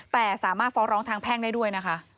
แต่สามารถฟ้องร้องทางแพ่งได้ด้วยนะคะ